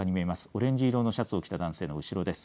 オレンジ色のシャツを着た男性の後ろです。